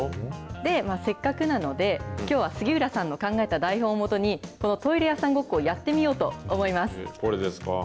せっかくなので、きょうは杉浦さんの考えた台本を基に、このトイレ屋さんごっこをやってみようと思います。